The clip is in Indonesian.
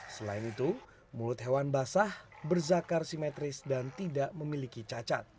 selain itu mulut hewan basah berzakar simetris dan tidak memiliki cacat